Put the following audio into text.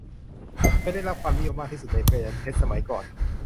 เคยได้รับความนิยมมากที่สุดในแหวนเพชรสมัยก่อน